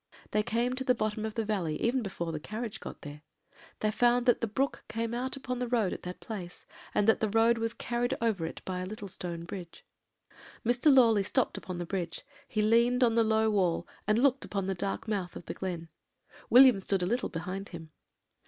"They came to the bottom of the valley even before the carriage got there. They found that the brook came out upon the road in that place, and that the road was carried over it by a little stone bridge. "Mr. Lawley stopped upon the bridge; he leaned on the low wall, and looked upon the dark mouth of the glen. William stood a little behind him.